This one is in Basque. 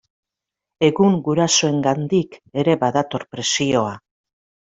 Egun gurasoengandik ere badator presioa.